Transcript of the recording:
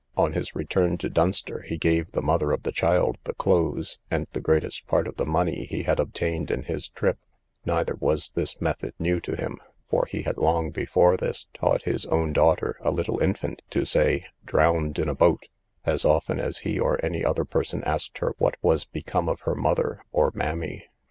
On his return to Dunster, he gave the mother of the child the clothes, and the greatest part of the money he had obtained in his trip; neither was this method new to him, for he had long before this taught his own daughter, a little infant, to say, "drowned in a boat," as often as he or any other person asked her what was become of her mother, or mammy.